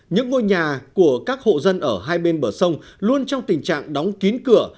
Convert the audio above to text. những ngôi nhà của các hộ dân ở hai bên bờ sông luôn trong tình trạng đóng kín cửa